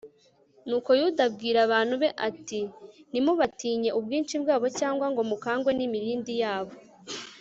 nuko yuda abwira abantu be ati ntimubatinyire ubwinshi bwabo cyangwa ngo mukangwe n'imirindi yabo